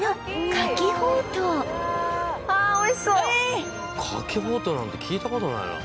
牡蠣ほうとうなんて聞いたことないな